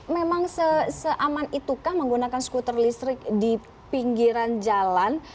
memang seaman itukah menggunakan skuter listrik di pinggiran jalan